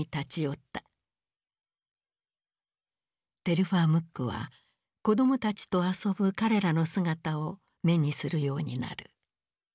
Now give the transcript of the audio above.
テルファー・ムックは子供たちと遊ぶ彼らの姿を目にするようになる。